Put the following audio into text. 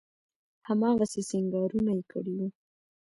هماغسې سينګارونه يې کړي وو.